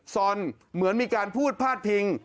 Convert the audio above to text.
ซอนเหมือนมีการพูดพาดพิง